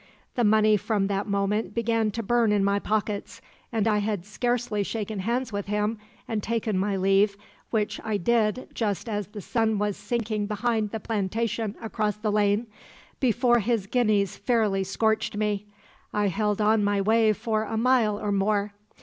The money from that moment began to burn in my pockets, and I had scarcely shaken hands with him and taken my leave which I did just as the sun was sinking behind the plantation across the lane before his guineas fairly scorched me. I held on my way for a mile or more.